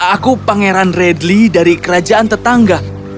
aku pangeran radly dari kerajaan tetangga